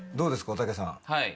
おたけさん。